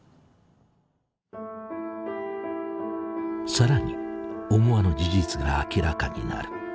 更に思わぬ事実が明らかになる。